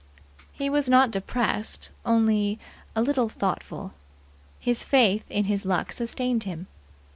He was not depressed only a little thoughtful. His faith in his luck sustained him.